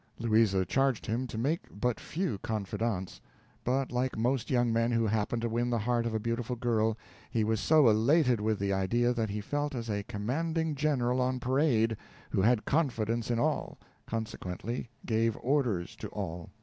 Louisa charged him to make but few confidants; but like most young men who happened to win the heart of a beautiful girl, he was so elated with the idea that he felt as a commanding general on parade, who had confidence in all, consequently gave orders to all.